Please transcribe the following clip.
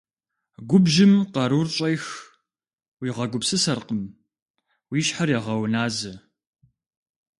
Губжьым къарур щӀех, уигъэгупсысэркъым, уи щхьэр егъэуназэ.